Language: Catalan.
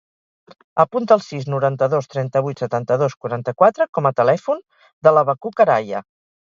Apunta el sis, noranta-dos, trenta-vuit, setanta-dos, quaranta-quatre com a telèfon de l'Habacuc Araya.